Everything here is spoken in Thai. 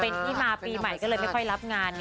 เป็นที่มาปีใหม่ก็เลยไม่ค่อยรับงาน